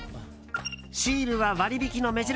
シールは割引の目印。